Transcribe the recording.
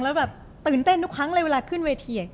แล้วแบบตื่นเต้นทุกครั้งเลยเวลาขึ้นเวที